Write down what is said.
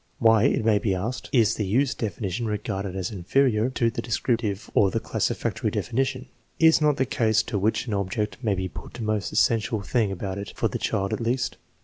Why, it may be asked, is the use definition regarded as 2* THE }IEASIjHEMENT OF INTELLIGENCE inferior to the descriptive or the classificatory definition? Is not the use to which an object may be put the most es sential thing about it, for the child at least?